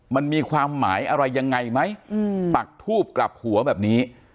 มันมีความหมายอะไรยังไงไหมปักทูบกลับหัวแบบนี้